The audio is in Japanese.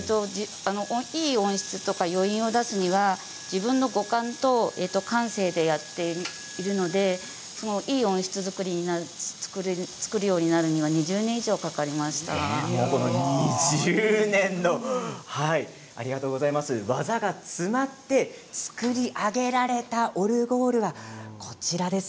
いい音質とか、余韻を出すには自分の五感と感性でやっているのでいい音質作りにできるようになるには２０年の技が詰まって作り上げられたオルゴールがこちらです。